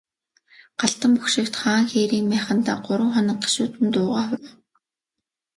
Галдан бошигт хаан хээрийн майхандаа гурван хоног гашуудан дуугаа хураав.